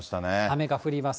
雨が降ります。